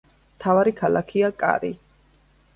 მთავარი ქალაქია კარი.